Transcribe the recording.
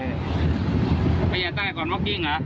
พระเศรษฐ์ตั้งแต่ก่อนวอคกิ้งเหรอ